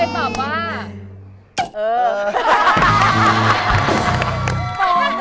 โปรนก็เลยตอบว่า